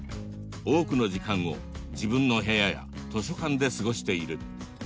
多くの時間を自分の部屋や図書館で過ごしている。